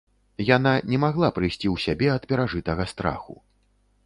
Яна не магла прыйсці ў сябе ад перажытага страху.